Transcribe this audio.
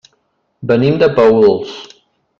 Venim de Paüls.